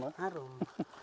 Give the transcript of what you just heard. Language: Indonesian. itu udah berapa